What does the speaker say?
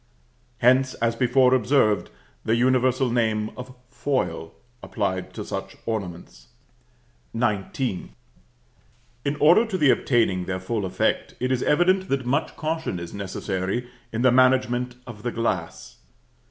Hence, as before observed, the universal name of foil applied to such ornaments. XIX. In order to the obtaining their full effect, it is evident that much caution is necessary in the management of the glass.